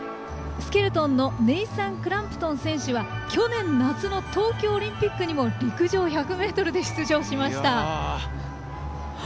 スケルトンのネイサン・クランプトン選手は去年、夏の東京オリンピックにも陸上１００ｍで出場しました。